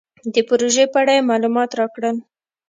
د پروژې په اړه یې مالومات راکړل.